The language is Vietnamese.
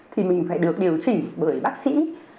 thì mình phải được điều chỉnh bởi bác sĩ